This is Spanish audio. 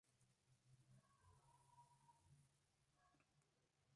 Se dedicó a una vida religiosa junto con los otros santos padres fundadores.